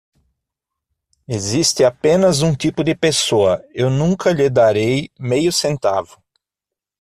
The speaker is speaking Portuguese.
Existe apenas um tipo de pessoa, eu nunca lhe darei meio centavo.